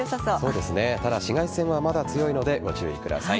ただ、紫外線はまだ強いのでご注意ください。